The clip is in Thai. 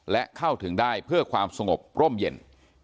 และเข้าถึงได้เพื่อความสงบร่มเย็น